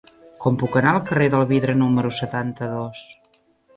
Com puc anar al carrer del Vidre número setanta-dos?